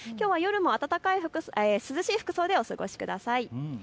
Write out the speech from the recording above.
きょうは夜も涼しい服装でお過ごしください。